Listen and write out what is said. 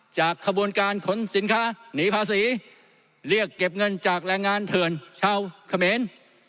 จากขบวนการขนสินค้าหนีภาษีเรียกเก็บเงินจากแรงงานเถื่อนชาวเขมร